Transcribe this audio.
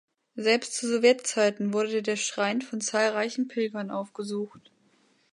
Selbst zu Sowjetzeiten wurde der Schrein von zahlreichen Pilgern aufgesucht.